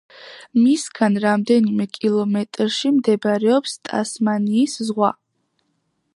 მისგან რამდენიმე კილომეტრში მდებარეობს ტასმანიის ზღვა.